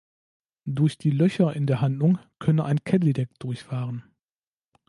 Durch die Löcher in der Handlung könne ein Cadillac durchfahren.